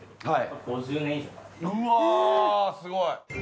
うわすごい！